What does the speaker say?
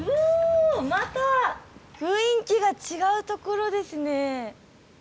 また雰囲気が違うところですね。